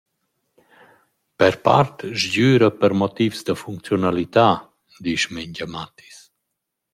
Per part sgüra per motivs da funcziunalità, disch Mengia Mathis.